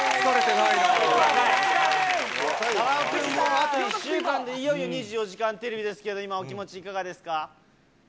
あと１週間で、いよいよ２４時間テレビですけれども、今、お気持ちいかがですか。